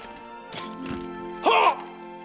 はっ！